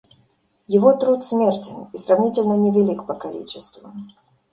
Его труд смертен и сравнительно невелик по количеству.